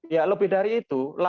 ya lebih dari itu